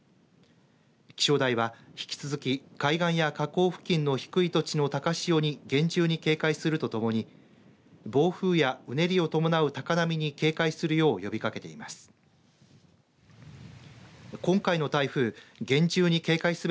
気象台は、引き続き海岸や河口付近の低い土地の高潮に厳重に警戒するとともに暴風や、うねりを伴う高波に警戒するよう呼びかけています。